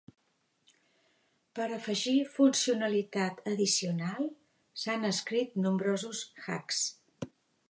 Per afegir funcionalitat addicional s'han escrit nombrosos "hacks".